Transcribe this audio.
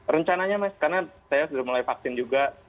rencananya mas karena saya sudah mulai vaksin juga